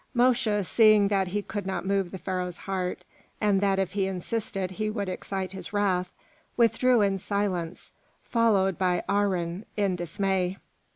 Mosche, seeing that he could not move the Pharaoh's heart, and that if he insisted he would excite his wrath, withdrew in silence, followed by Aharon in dismay.